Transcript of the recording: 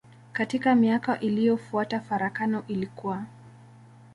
Katika miaka iliyofuata farakano ilikua.